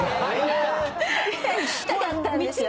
行きたかったんですよ。